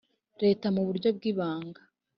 Leta mu buryo bw ibanga